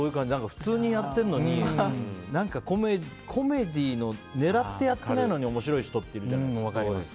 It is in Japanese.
普通にやっているのにコメディーの狙ってやっていないのに面白い人っているじゃないですか。